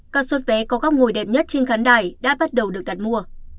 các suất vé có góc ngồi đẹp nhất trên khán đài đã bắt đầu được đặt mua